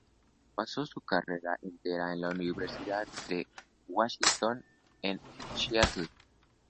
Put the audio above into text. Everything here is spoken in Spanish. Pasó su carrera entera en la Universidad de Washington en Seattle.